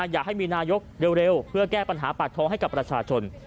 อยากให้มีนายกเร็วเพื่อแก้ปัญหาปากท้องให้กับประชาชน